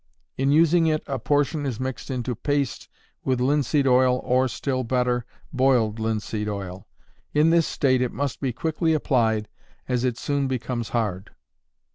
In using it a portion is mixed into paste with linseed oil, or, still better, boiled linseed oil. In this state it must be quickly applied, as it soon becomes hard.